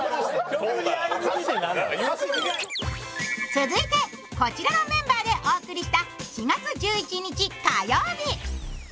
続いてこちらのメンバーでお送りした４月１１日火曜日。